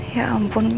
ya ampun mas